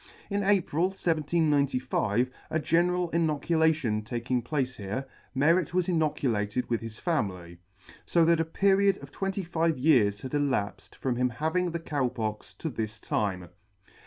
In April, 1795, a general inoculation taking place here, Merret was inoculated with his family; fo that a period of twenty five years had elapfed from his having the Cow Pox to this time.